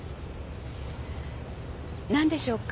なんでしょうか？